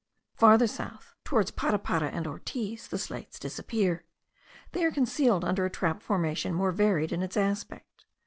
Farther south, towards Parapara and Ortiz, the slates disappear. They are concealed under a trap formation more varied in its aspect.